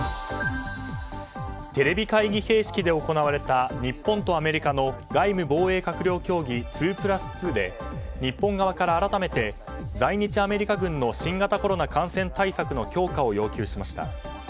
テレビ会議形式で行われた日本とアメリカの外務・防衛閣僚協議・２プラス２で日本側から改めて来日アメリカ軍の新型コロナ感染対策の強化を要求しました。